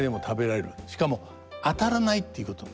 しかも「あたらない」っていうこと。